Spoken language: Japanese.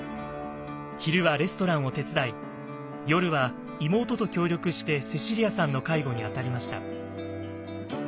昼はレストランを手伝い夜は妹と協力してセシリアさんの介護にあたりました。